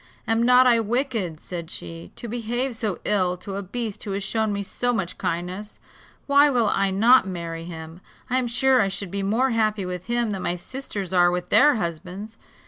"Am not I wicked," said she, "to behave so ill to a beast who has shown me so much kindness; why will I not marry him? I am sure I should be more happy with him than my sisters are with their husbands.